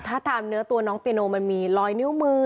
ถ้าตามเนื้อตัวน้องเปียโนมันมีรอยนิ้วมือ